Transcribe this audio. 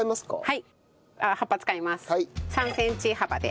はい。